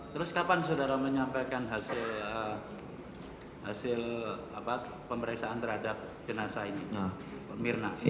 terus kapan saudara menyampaikan hasil pemeriksaan terhadap jenazah ini